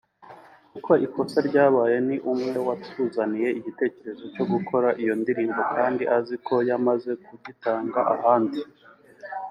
Kuko ikosa ryabaye ni umwe watuzaniye igitekerezo cyo gukora iyo ndirimbo kandi azi ko yamaze kugitanga ahandi